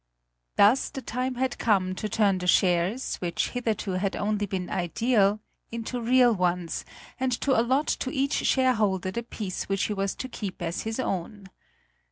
Thus the time had come to turn the shares, which hitherto had only been ideal, into real ones, and to allot to each shareholder the piece which he was to keep as his own.